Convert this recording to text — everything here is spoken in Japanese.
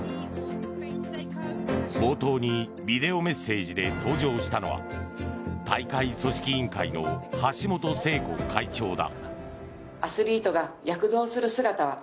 冒頭にビデオメッセージで登場したのは大会組織委員会の橋本聖子会長だ。